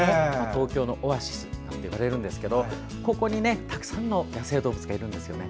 東京のオアシスなんていわれるんですけどここにたくさんの野生動物がいるんですね。